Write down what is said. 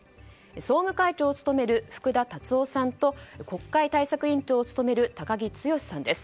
総務会長を務める福田達夫さんと国会対策委員長を務める高木毅さんです。